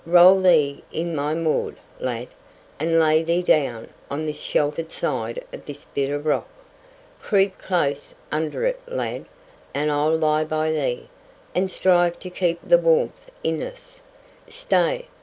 roll thee in my maud, lad, and lay thee down on this sheltered side of this bit of rock. Creep close under it, lad, and I'll lie by thee, and strive to keep the warmth in us. Stay!